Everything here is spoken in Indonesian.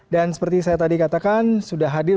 dan seperti saya tadi katakan sudah hadir